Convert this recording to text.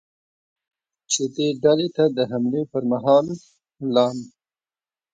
چې دې ډلې ته د حملې پرمهال ل